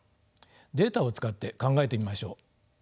データを使って考えてみましょう。